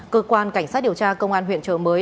cơ quan cảnh sát điều tra công an huyện trợ mới